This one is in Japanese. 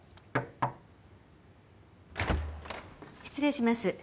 失礼します。